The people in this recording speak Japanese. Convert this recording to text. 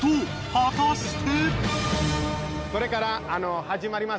果たして？